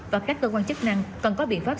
và các cơ quan chức năng cần có biện pháp